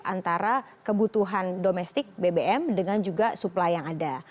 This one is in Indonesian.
antara kebutuhan domestik bbm dengan juga supply yang ada